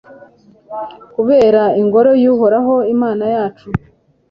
kubera ingoro y'uhoraho imana yacu